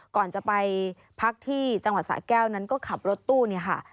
ก่อนจะไปพักที่จังหวัดสะแก้วนั้นก็ขับรถตู้เนี่ยค่ะ